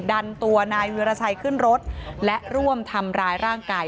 ดันตัวนายวิราชัยขึ้นรถและร่วมทำร้ายร่างกาย